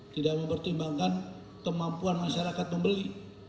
tidak mempertimbangkan kemampuan masyarakat membeli